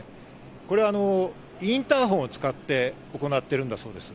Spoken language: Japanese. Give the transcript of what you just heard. これはインターホンを使って行っているそうです。